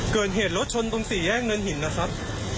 เกิดเหตุรถชนตรงสี่แยกเนินหินนะครับ